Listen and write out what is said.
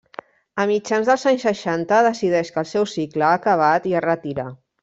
A mitjans dels anys seixanta decideix que el seu cicle ha acabat i es retira.